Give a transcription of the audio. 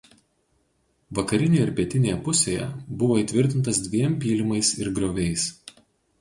Vakarinėje ir pietinėje pusėje buvo įtvirtintas dviem pylimais ir grioviais.